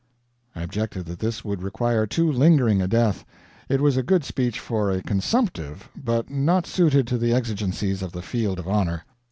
I objected that this would require too lingering a death; it was a good speech for a consumptive, but not suited to the exigencies of the field of honor.